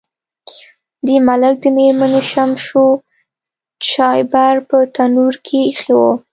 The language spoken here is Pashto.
د ملک د میرمنې شمشو چایبر په تنور کې ایښی و.